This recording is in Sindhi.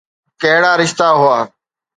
ڪهڙا رشتا هئا؟